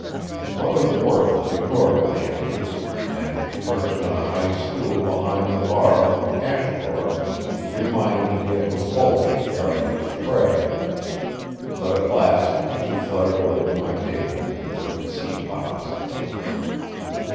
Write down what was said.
Mother Borton ignored my entrance, and, perched on a high stool behind the bar and cash drawer, reminded me of the vulture guarding its prey. But at last she fluttered over to my table and took a seat opposite.